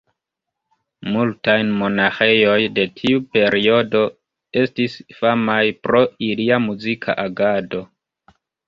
Multaj monaĥejoj de tiu periodo estis famaj pro ilia muzika agado.